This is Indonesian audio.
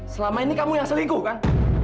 selama ini kamu yang selingkuh kan